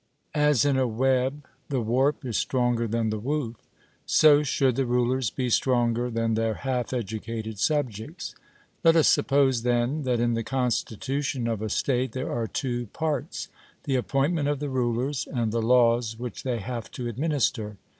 As in a web the warp is stronger than the woof, so should the rulers be stronger than their half educated subjects. Let us suppose, then, that in the constitution of a state there are two parts, the appointment of the rulers, and the laws which they have to administer.